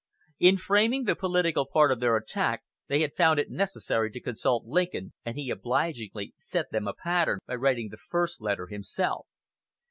In framing the political part of their attack, they had found it necessary to consult Lincoln, and he obligingly set them a pattern by writing the first letter himself.